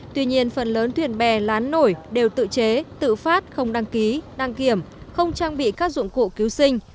tuy nhiên phần lớn thuyền bè lán nổi đều tự chế tự phát không đăng ký đăng kiểm không trang bị các dụng cụ cứu sinh